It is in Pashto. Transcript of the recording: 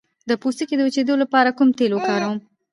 د پوستکي د وچیدو لپاره کوم تېل وکاروم؟